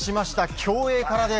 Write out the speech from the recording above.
競泳からです。